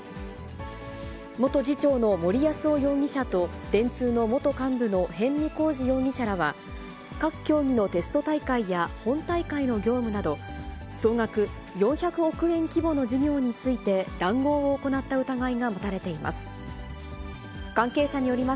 元次長の森泰夫容疑者と、電通の元幹部の逸見こうじ容疑者らは、各競技のテスト大会や本大会の業務など、総額４００億円規模の事業について談合を行った疑いが持たれています。